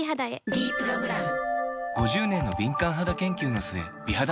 「ｄプログラム」